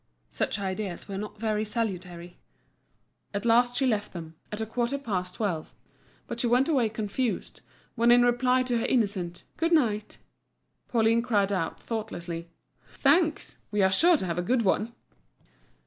Such ideas were not very salutary. At last she left them, at a quarter past twelve. But she went away confused, when in reply to her innocent "good night," Pauline cried out, thoughtlessly: "Thanks, we are sure to have a good one!"